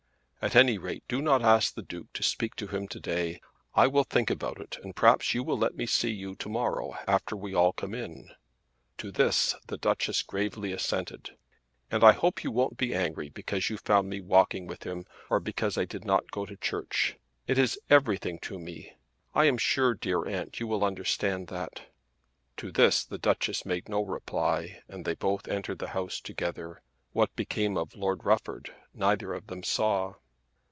"At any rate do not ask the Duke to speak to him to day. I will think about it and perhaps you will let me see you to morrow, after we all come in." To this the Duchess gravely assented. "And I hope you won't be angry because you found me walking with him, or because I did not go to church. It is everything to me. I am sure, dear aunt, you will understand that." To this the Duchess made no reply, and they both entered the house together. What became of Lord Rufford neither of them saw.